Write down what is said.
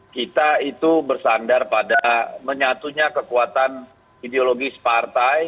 kita itu bersandar pada menyatunya kekuatan ideologis partai